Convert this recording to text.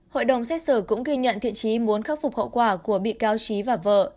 hội đồng xét xử cũng ghi nhận thiện trí muốn khắc phục hậu quả của bị cáo trí và vợ